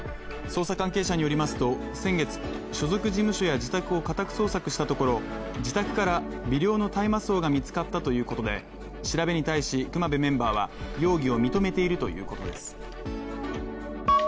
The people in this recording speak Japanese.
捜査関係者によりますと先月、所属事務所や家宅を家宅捜索したところ自宅から微量の大麻草が見つかったということで調べに対し隈部メンバーは容疑を認めているということです。